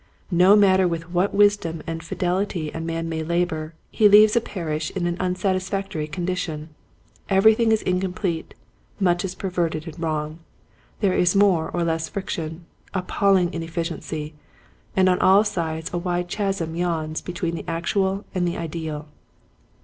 No matter with what wisdom and fidelity a man may labor he leaves a parish in an unsatisfactory condition. Everything is incomplete, much is perverted and wrong, there is more or less friction, appalling inefficiency, and on all sides a wide chasm yawns between the actual and ideal.